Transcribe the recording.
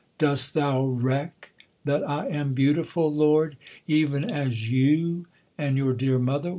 dost thou reck That I am beautiful, Lord, even as you And your dear mother?